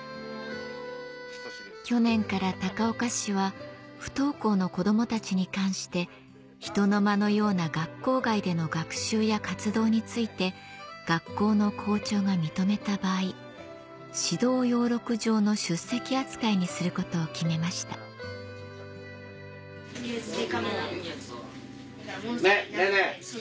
去年から高岡市は不登校の子どもたちに関してひとのまのような学校外での学習や活動について学校の校長が認めた場合指導要録上の出席扱いにすることを決めましたねぇねぇ